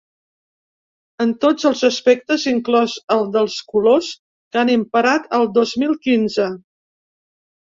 En tots els aspectes, inclòs el dels colors que han imperat el dos mil quinze.